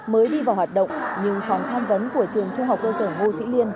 mới đi vào hoạt động những phòng tham vấn của trường trung học cơ sở vô sĩ liên